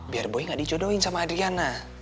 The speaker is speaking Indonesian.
biar boy gak dijodohin sama adriana